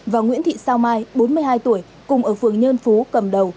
và nguyễn thị sao mai bốn mươi hai tuổi cùng ở phường nhơn phú cầm đầu